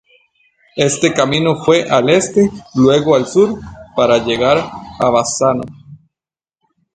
Este camino fue al este, luego al sur para llegar a Bassano.